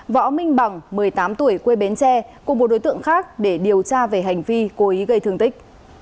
võ minh bằng một mươi tám tuổi quê bến tre cùng một đối tượng khác để điều tra về hành vi cố ý gây thương tích